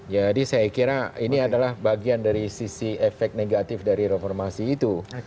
jadi saya kira ini adalah bagian dari sisi efek negatif dari reformasi itu